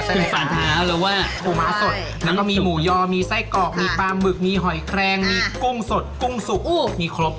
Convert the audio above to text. สาวท้าใจแล้วว่าขู่หมาสดมีหมูยอมีไส้กรอกมีปลาหมึกมีหอยแครงมีกรุงสดกรุงสูบมีครบ